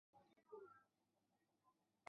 改进的耒有两个尖头或有省力曲柄。